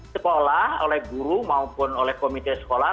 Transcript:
sekolah oleh guru maupun oleh komite sekolah